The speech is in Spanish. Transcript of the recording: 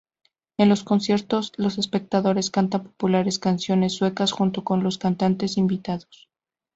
En los conciertos los espectadores cantan populares canciones suecas junto con los cantantes invitados.